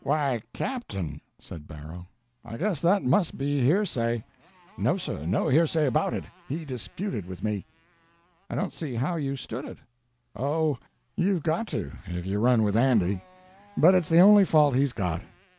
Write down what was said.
"Why captain!" said Barrow. "I guess that must be hearsay." "No, sir, no hearsay about it—he disputed with me." "I don't see how you stood it." "Oh, you've got to—if you run with Andy. But it's the only fault he's got."